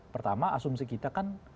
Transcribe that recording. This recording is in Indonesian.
pertama asumsi kita kan